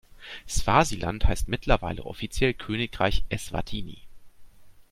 Swasiland heißt mittlerweile offiziell Königreich Eswatini.